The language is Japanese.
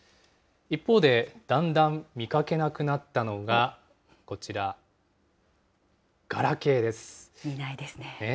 一方で、だんだん見かけなくなったのが、こちら、見ないですね。